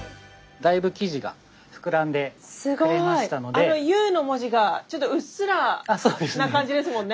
あのＵの文字がちょっとうっすらな感じですもんね。